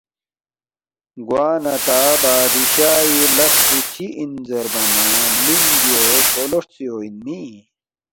“ گوانہ تا بادشائی لس پو چِہ اِن زیربا نہ لِنگ بیو، پولو ہرژیو اِنمی